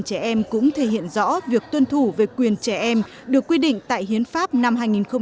trẻ em cũng thể hiện rõ việc tuân thủ về quyền trẻ em được quy định tại hiến pháp năm hai nghìn một mươi ba